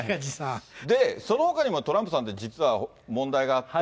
そのほかにもトランプさんって、実は問題があって。